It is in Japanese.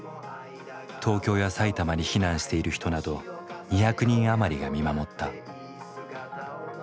東京や埼玉に避難している人など２００人余りが見守った。